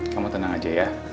kamu tenang aja ya